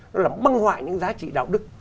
nó là măng hoại những giá trị đạo đức